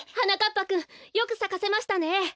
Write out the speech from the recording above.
ぱくんよくさかせましたね。